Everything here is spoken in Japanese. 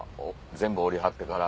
全部折りはってから。